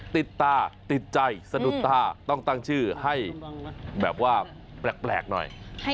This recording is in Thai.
ติดตาติดใจสะดุดตาต้องตั้งชื่อให้แบบว่าแปลกหน่อย